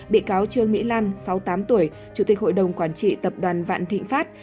bị cáo trương mỹ lan sáu mươi tám tuổi chủ tịch hội đồng quản trị tập đoàn vạn thịnh pháp